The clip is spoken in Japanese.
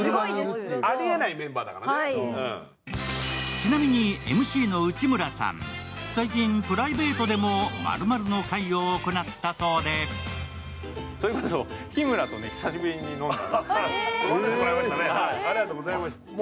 ちなみにＭＣの内村さん、最近、プライベートでも「○○の会」を行ったそうでそれこそ日村と久しぶりに飲んだ。